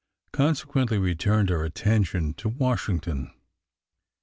Consequently, we turned our attention to Washington.